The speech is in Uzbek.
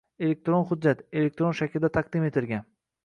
elektron hujjat — elektron shaklda qayd etilgan